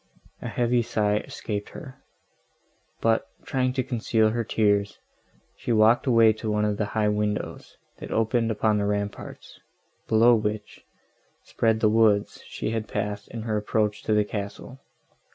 A heavy sigh escaped her: but, trying to conceal her tears, she walked away to one of the high windows, that opened upon the ramparts, below which, spread the woods she had passed in her approach to the castle.